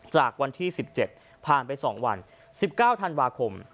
จากวันที่๑๗ผ่านไป๒วัน๑๙ธันวาคม